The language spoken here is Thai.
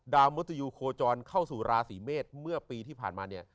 ดาวมริตยูโคจรเข้าสู่ราศีเมษเมื่อปีที่ผ่านมา